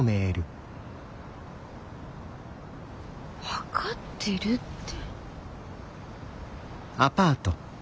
分かってるって。